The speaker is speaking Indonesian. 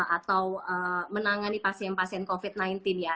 atau menangani pasien pasien covid sembilan belas ya